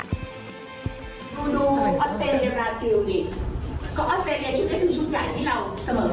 ที่มาแล้วว่ามันไม่เหลือแมทที่เราเล่นแล้ว